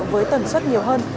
với tầm suất nhiều hơn